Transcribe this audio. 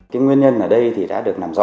cái nguyên nhân ở đây thì đã được nói là